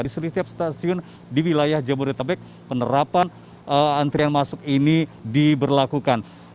di setiap stasiun di wilayah jabodetabek penerapan antrian masuk ini diberlakukan